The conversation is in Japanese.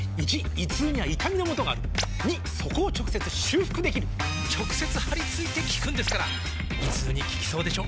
①胃痛には痛みのもとがある②そこを直接修復できる直接貼り付いて効くんですから胃痛に効きそうでしょ？